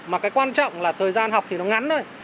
mà cái quan trọng là thời gian học thì nó ngắn thôi